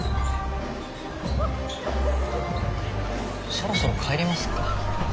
そろそろ帰りますか。